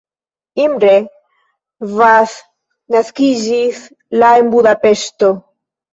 Imre Vas naskiĝis la en Budapeŝto.